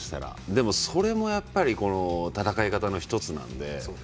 でも、それもやっぱり戦い方の１つなので。